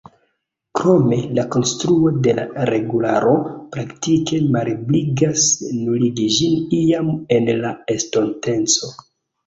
Krome, la konstruo de la regularo praktike malebligas nuligi ĝin iam en la estonteco.